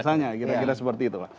rasanya kira kira seperti itu